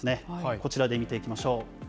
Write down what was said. こちらで見ていきましょう。